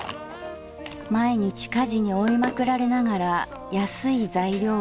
毎日家事に追いまくられながら安い材料をやりくりして。